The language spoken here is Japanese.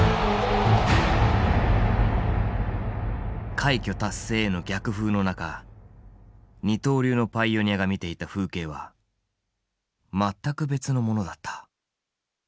快挙達成への逆風の中二刀流のパイオニアが見ていた風景は全く別のものだった。